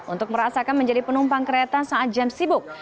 untuk merasakan menjadi penumpang kereta saat jam sibuk